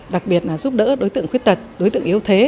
đặc biệt là giúp đỡ đối tượng khuyết tật đối tượng yếu thế